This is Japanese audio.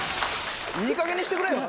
いいかげんにしてくれよ。